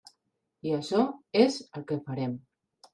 I això és el que farem.